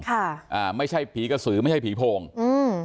ค่ะอ่าไม่ใช่ผีกระสือไม่ใช่ผีโพงอืม